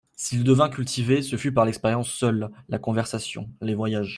S'il devint cultivé, ce fut par l'expérience seule, la conversation, les voyages.